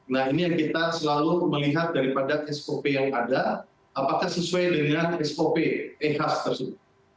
nah ini yang kita selalu melihat daripada spp yang ada apakah sesuai dengan spp ehas tersebut